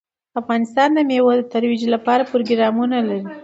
افغانستان د مېوې د ترویج لپاره پروګرامونه لري.